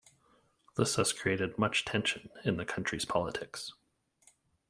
This has created much tension in the country's politics.